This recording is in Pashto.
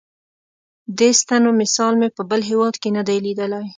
دې ستنو مثال مې په بل هېواد کې نه دی لیدلی.